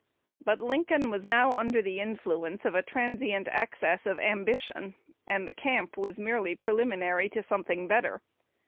But Lincoln was now under the influence of a transient access of ambition, and the camp was merely preliminary to something better.